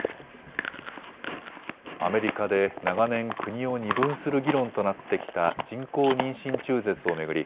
アメリカで長年、国を二分する議論となってきた人工妊娠中絶を巡り